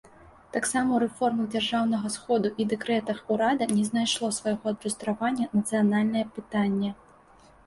Таксама ў рэформах дзяржаўнага сходу і дэкрэтах урада не знайшло свайго адлюстравання нацыянальнае пытанне.